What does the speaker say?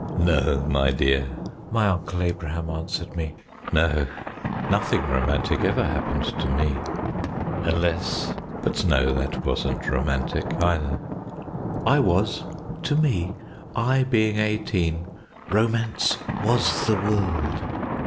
_ "No, my dear," my Uncle Abraham answered me, "no nothing romantic ever happened to me unless but no: that wasn't romantic either " I was. To me, I being eighteen, romance was the world.